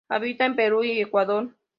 Habita en Perú y Ecuador.